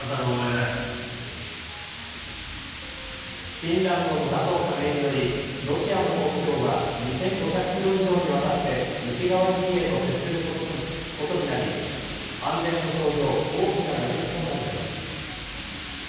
フィンランドのＮＡＴＯ加盟によりロシアの国境は２５００キロ以上にわたって西側陣営と接することになり安全保障上大きな打撃となるのです。